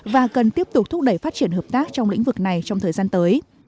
và cần tiếp tục thúc đẩy phát triển hợp tác trong lĩnh vực này trong thời gian tới